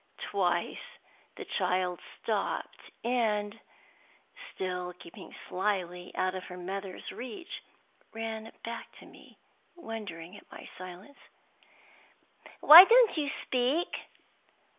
Twice the child stopped, and (still keeping slyly out of her mother's reach) ran back to me, wondering at my silence. "Why don't you speak?"